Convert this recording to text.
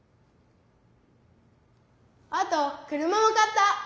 あと車も買った。